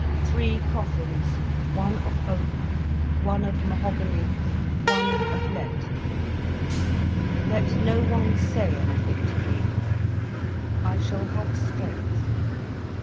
Three coffins, one of oak, one of mahogany, one of lead. Let no one say anything to me. I shall have strength.